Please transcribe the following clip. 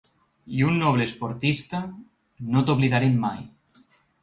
I un noble esportista No t’oblidarem mai.